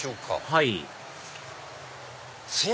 はい。